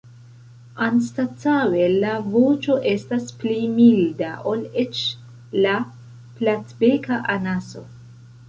Anstataŭe la voĉo estas pli milda ol ĉe la Platbeka anaso.